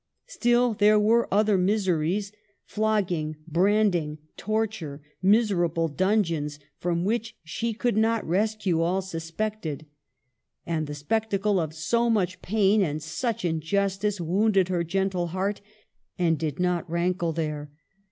Still there were other miseries, — flogging, branding, torture, miserable dungeons, from which she could not rescue all suspected. And the spectacle of so much pain and such injustice wounded her gentle heart, and did not rankle there.